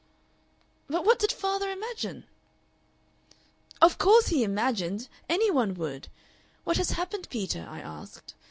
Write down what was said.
"But what did father imagine?" "Of course he imagined! Any one would! 'What has happened, Peter?' I asked.